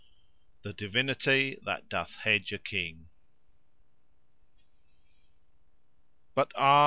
THE DIVINITY THAT DOTH HEDGE A KING But ah!